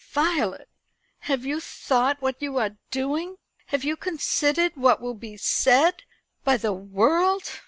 "Violet, have you thought what you are doing? Have you considered what will be said by the world?"